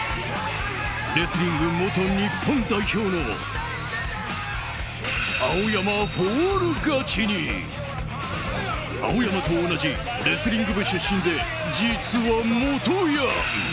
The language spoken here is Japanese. レスリング元日本代表の青山フォール勝ちに青山と同じレスリング部出身で実は元ヤン。